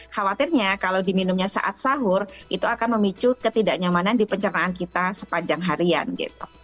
khawatirnya kalau diminumnya saat sahur itu akan memicu ketidaknyamanan di pencernaan kita sepanjang harian gitu